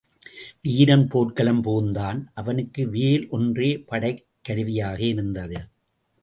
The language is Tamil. வீரன் போர்க்களம் புகுந்தான், அவனுக்கு வேல் ஒன்றே படைக் கருவியாக இருந்தது.